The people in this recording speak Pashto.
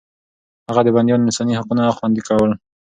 هغه د بنديانو انساني حقونه خوندي کړل.